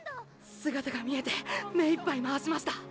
姿が見えて目いっぱい回しました。